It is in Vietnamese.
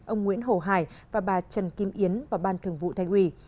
ông nguyễn hồ hải và bà trần kim yến vào ban thường vụ thành ủy